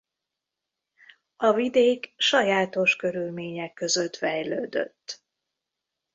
A vidék sajátos körülmények között fejlődött.